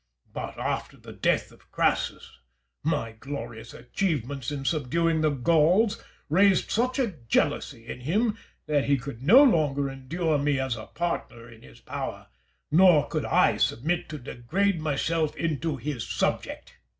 But, after the death of Crassus, my glorious achievements in subduing the Gauls raised such a jealousy in him that he could no longer endure me as a partner in his power, nor could I submit to degrade myself into his subject.